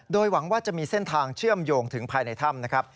โดยหวังว่าจะมีเส้นทางเชื่อมโยงถึงภายในถ้ำนะครับ